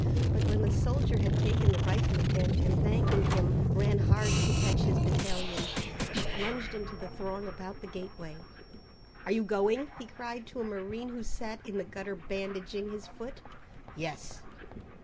But when the soldier had taken the rifle again, and thanking him, ran hard to catch his battalion, he plunged into the throng about the gateway. "Are you going?" he cried to a marine who sat in the gutter bandaging his foot. "Yes."